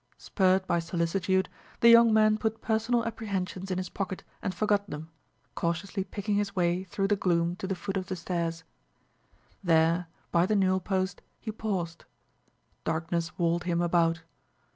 Spurred by solicitude, the young man put personal apprehensions in his pocket and forgot them, cautiously picking his way through the gloom to the foot of the stairs. There, by the newel post, he paused. Darkness walled him about.